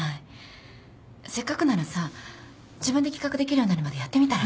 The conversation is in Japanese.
せっかくならさ自分で企画できるようになるまでやってみたら？